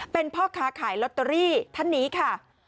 เป็นพ่อค้าขายลอตเตอรี่ท่านนี้ค่ะ